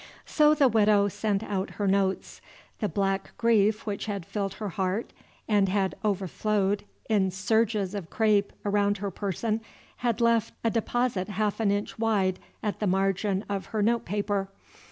So the Widow sent out her notes. The black grief which had filled her heart and had overflowed in surges of crape around her person had left a deposit half an inch wide at the margin of her note paper.